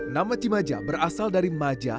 nama cimaja berasal dari maja